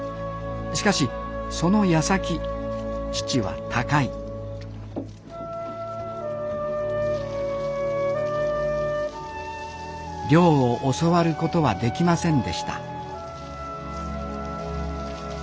しかしその矢先父は他界漁を教わることはできませんでした